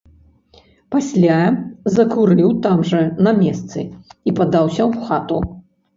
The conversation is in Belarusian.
Пасля закурыў там жа, на месцы, і падаўся ў хату.